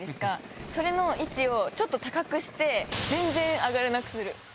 それの位置を高くして全然上がれなくする。